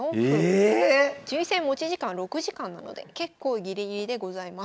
ええ⁉順位戦持ち時間６時間なので結構ギリギリでございます。